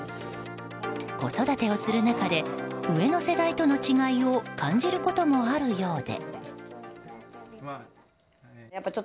子育てをする中で上の世代との違いを感じることもあるようで。